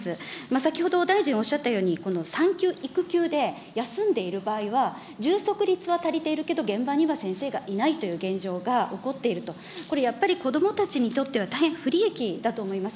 先ほど大臣おっしゃったように、産休、育休で休んでいる場合は充足率は足りているけど、現場には先生がいないという現状が起こっていると、これやっぱり子どもたちにとっては大変不利益だと思います。